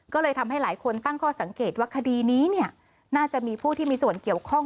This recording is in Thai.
ก็เลยทำให้หลายคนตั้งข้อสังเกตว่าคดีนี้น่าจะมีผู้ที่มีส่วนเกี่ยวข้อง